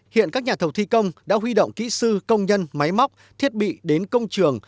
hiện các nhà thầu thi công đã huy động kỹ sư công nhân máy móc thiết bị đến công trường